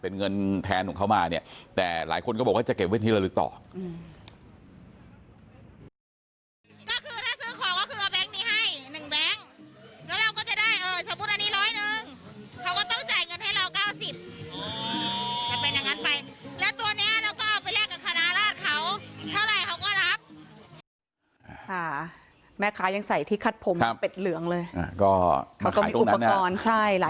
เป็นเงินแทนของเขามาเนี่ยแต่หลายคนก็บอกว่าจะเก็บไว้ที่ระลึกต่อ